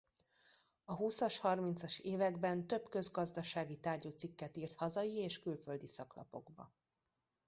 A húszas-harmincas években több közgazdasági tárgyú cikket írt hazai és külföldi szaklapokba.